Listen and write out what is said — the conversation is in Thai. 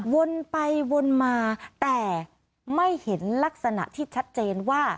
วนไปวนมาแต่ไม่เห็นลักษณะที่ชัดเจนว่า